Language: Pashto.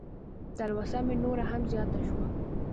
تلوسه مې نوره هم زیاته شوه.